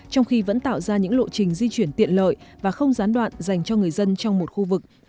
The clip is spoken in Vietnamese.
trong khi vẫn tạo ra những lộ trình di chuyển tiện lợi và không gián đoạn dành cho người dân trong một khu vực